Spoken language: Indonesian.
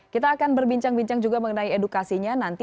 kita akan berbincang bincang juga mengenai edukasinya nanti